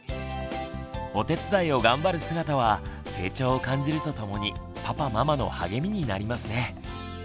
お手伝いを頑張る姿は成長を感じるとともにパパママの励みになりますね。